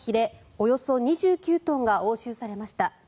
およそ２９トンが押収されました。